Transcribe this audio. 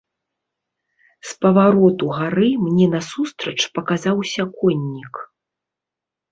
З павароту гары мне насустрач паказаўся коннік.